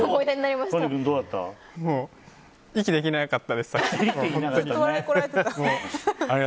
息できなかったです。